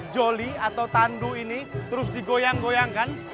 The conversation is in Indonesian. joli atau tandu ini terus digoyang goyangkan